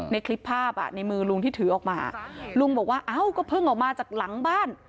ในคลิปภาพอ่ะในมือลุงที่ถือออกมาลุงบอกว่าเอ้าก็เพิ่งออกมาจากหลังบ้าน